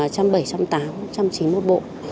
trăm bảy trăm tám trăm chín một bộ